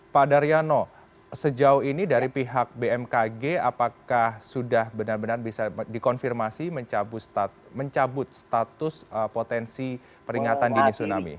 pak daryono sejauh ini dari pihak bmkg apakah sudah benar benar bisa dikonfirmasi mencabut status potensi peringatan dini tsunami